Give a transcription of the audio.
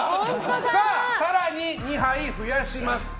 さあ、更に２牌増やします。